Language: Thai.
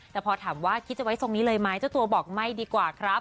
แต่พอถามว่าคิดจะไว้ทรงนี้เลยไหมเจ้าตัวบอกไม่ดีกว่าครับ